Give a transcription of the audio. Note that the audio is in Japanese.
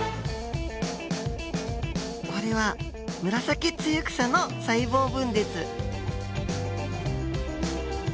これはムラサキツユクサの細胞分裂。